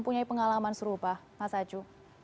punya pengalaman serupa mas aju